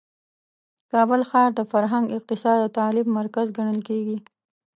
کابل ښار د فرهنګ، اقتصاد او تعلیم مرکز ګڼل کیږي.